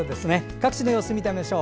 各地の様子を見てみましょう。